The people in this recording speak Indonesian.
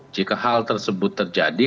jika hal tersebut terjadi